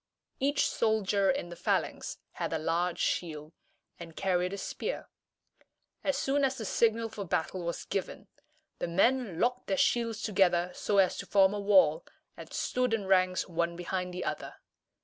Each soldier in the phalanx had a large shield, and carried a spear. As soon as the signal for battle was given, the men locked their shields together so as to form a wall, and stood in ranks one behind the other.